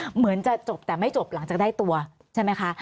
เหมือนจะจบแต่ไม่จบหลังจากได้ตัวใช่ไหมคะ